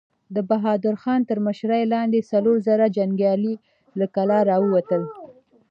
د بهادر خان تر مشرۍ لاندې څلور زره جنګيالي له کلا را ووتل.